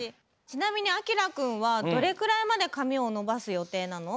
ちなみにあきらくんはどれくらいまでかみをのばすよていなの？